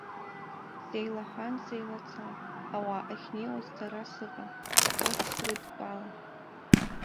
Сеилаҳәансеилацан, ауаа ахьнеиуаз сара сыҟан, урҭ срыдтәалан.